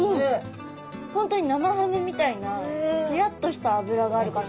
本当に生ハムみたいなつやっとした脂がある感じ。